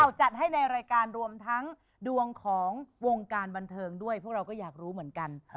จัดให้ในรายการรวมทั้งดวงของวงการบันเทิงด้วยพวกเราก็อยากรู้เหมือนกัน